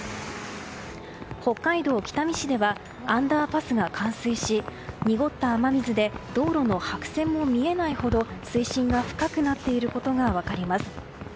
北海道北見市ではアンダーパスが冠水し濁った水で道路の白線も見えないほど水深が深くなっていることが分かります。